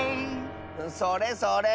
それそれ。